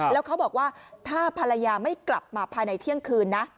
แล้วเขาบอกว่าถ้าภรรยาไม่กลับมาภายในเที่ยงคืนนะ